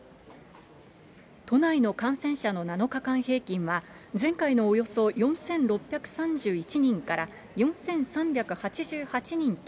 都内の感染者の７日間平均は、前回のおよそ４６３１人から４３８８人と、